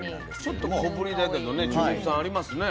ちょっと小ぶりだけどね中国産ありますね。